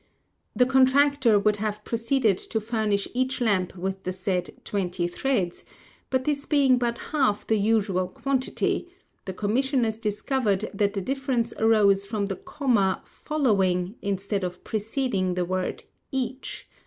The contractor would have proceeded to furnish each lamp with the said twenty threads, but this being but half the usual quantity, the commissioners discovered that the difference arose from the comma following instead of preceding the word each.